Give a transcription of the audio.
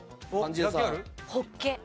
ホッケ。